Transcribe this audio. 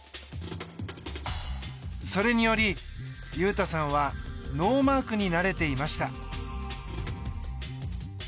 それにより、雄太さんはノーマークになれていました。